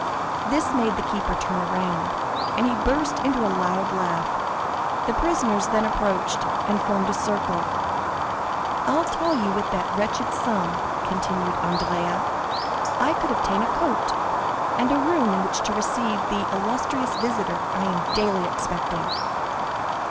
This made the keeper turn around, and he burst into a loud laugh. The prisoners then approached and formed a circle. "I tell you that with that wretched sum," continued Andrea, "I could obtain a coat, and a room in which to receive the illustrious visitor I am daily expecting."